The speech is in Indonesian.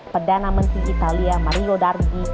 perdana menteri italia mario dargi